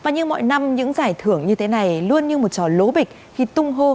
như mọi năm những giải thưởng như thế này luôn như một trò lố bịch khi tung hô